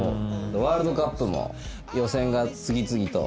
ワールドカップも予選が次々と。